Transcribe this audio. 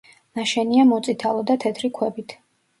ნაშენია მოწითალო და თეთრი ქვებით.